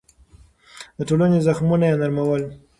د ټولنې زخمونه يې نرمول.